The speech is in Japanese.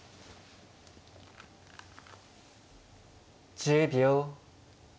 １０秒。